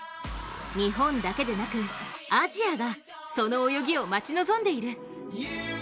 日本だけでなくアジアがその泳ぎを待ち望んでいる。